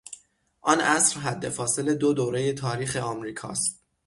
آن عصر حدفاصل دو دورهی تاریخ امریکا است.